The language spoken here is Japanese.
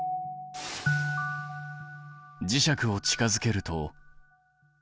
磁石を近づけると。